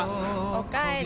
おかえり。